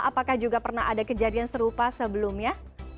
apakah juga pernah ada kejadian serupa sebelumnya